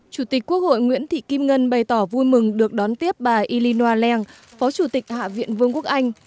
chủ tịch quốc hội nguyễn thị kim ngân bày tỏ vui mừng được đón tiếp bà ilino leng phó chủ tịch hạ viện vương quốc anh